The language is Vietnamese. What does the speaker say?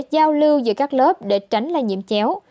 giao lưu giữa các lớp để tránh lây nhiễm chéo